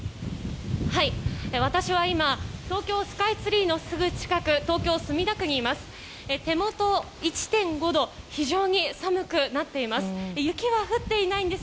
私は今東京スカイツリーのすぐ近く東京・墨田区にいます。